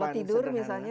kalau tidur misalnya